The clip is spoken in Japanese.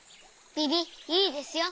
ビビいいですよ。